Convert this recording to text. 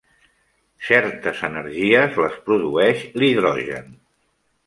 Certes energies les produeix l'hidrogen.